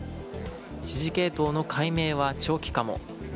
指示系統の解明は長期化も。